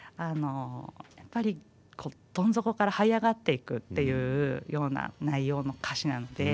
やっぱりこうどん底からはい上がっていくっていうような内容の歌詞なので。